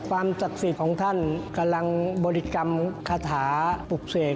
ศักดิ์สิทธิ์ของท่านกำลังบริกรรมคาถาปลุกเสก